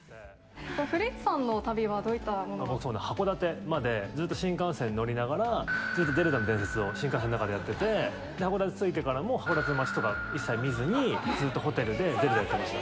古市さんの旅は、どういったそうね、函館まで、ずっと新幹線乗りながら、ずっとゼルダの伝説を新幹線の中でやってて、函館着いてからも、函館の街とか一切見ずに、ずっとホテルでゼルダやってました。